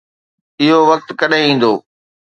اهو وقت ڪڏهن ايندو؟